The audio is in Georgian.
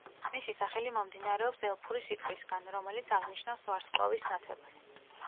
მისი სახელი მომდინარეობს ელფური სიტყვისგან, რომელიც აღნიშნავს „ვარსკვლავის ნათებას“.